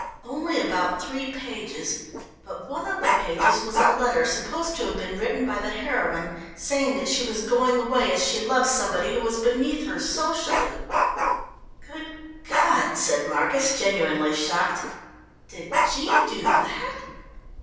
Only about three pages, but one of the pages was a letter supposed to have been written by the heroine saying that she was going away, as she loved somebody who was beneath her socially." "Good God!" said Marcus, genuinely shocked. "Did Jean do that?"